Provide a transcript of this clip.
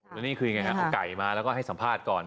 แล้วนี่คือยังไงเอาไก่มาแล้วก็ให้สัมภาษณ์ก่อน